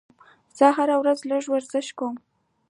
زه هره ورځ لږ ورزش کوم.